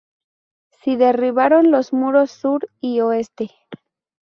Se derribaron los muros sur y oeste.